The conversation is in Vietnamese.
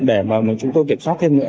để mà chúng tôi kiểm soát thêm nữa